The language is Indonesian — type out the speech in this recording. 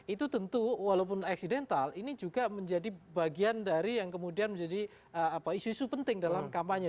itu tentu walaupun eksidental ini juga menjadi bagian dari yang kemudian menjadi isu isu penting dalam kampanye